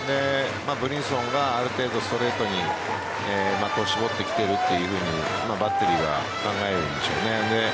ブリンソンがある程度ストレートに的を絞ってきているとバッテリーか考えるんでしょうね。